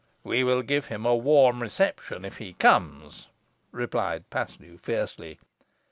"We will give him a warm reception if he comes," replied Paslew, fiercely.